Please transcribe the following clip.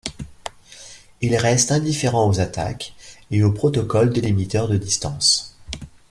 Ils restent indifférents aux attaques et aux protocoles délimiteurs de distance.